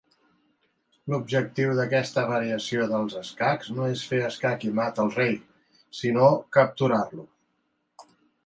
L'objectiu d'aquesta variació dels escacs no és fer escac i mat al rei, sinó capturar-lo.